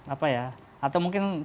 apa ya atau mungkin